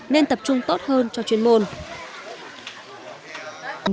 nên tập trung tốt hơn cho chuyên môn